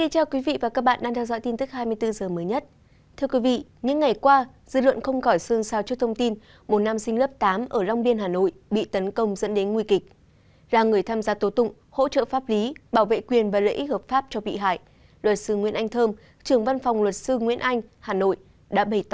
hãy đăng ký kênh để ủng hộ kênh của chúng mình nhé